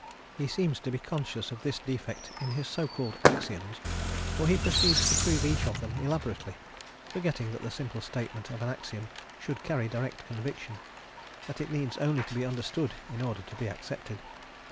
He seems to be conscious of this defect in his so called axioms, for he proceeds to prove each of them elaborately, forgetting that the simple statement of an axiom should carry direct conviction that it needs only to be understood in order to be accepted.